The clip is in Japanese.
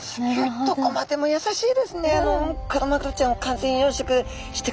どこまでも優しいですね。